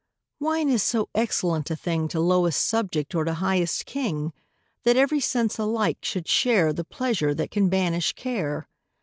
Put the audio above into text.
Wine is so excellent a thing To lowest subject, or to highest king, That every sense alike should share The pleasure that can banish care.